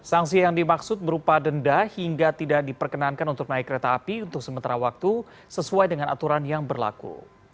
sanksi yang dimaksud berupa denda hingga tidak diperkenankan untuk naik kereta api untuk sementara waktu sesuai dengan aturan yang berlaku